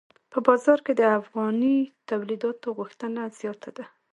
په بازار کې د افغاني تولیداتو غوښتنه زیاته ده.